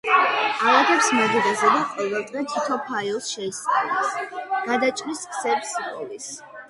ალაგებს მაგიდაზე და ყოველ დღე თითო ფაილს შეისწავლის, გადაჭრის გზებს იპოვის